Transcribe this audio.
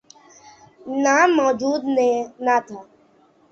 نام موجود نہ تھا۔